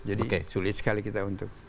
jadi sulit sekali kita untuk